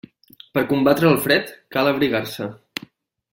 Per combatre el fred, cal abrigar-se.